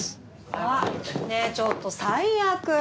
あっねえちょっと最悪！